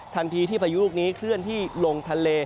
ที่พายุลูกนี้เคลื่อนที่ลงทะเล